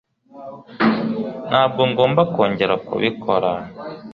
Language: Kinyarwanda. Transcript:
ntabwo ngomba kongera kubikora